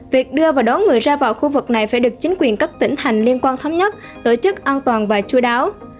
việc đưa và đón người ra vào khu vực này phải được chính quyền các tỉnh thành liên quan thấm nhất tổ chức an toàn và chú đáo